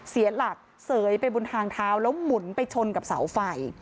เสียหลักเสยไปบนทางเท้าแล้วหมุนไปชนกับเสาไฟ